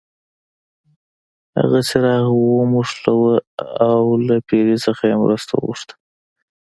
هغه څراغ وموښلو او له پیري څخه یې مرسته وغوښته.